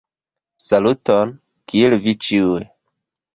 Saluton, Kiel vi ĉiuj?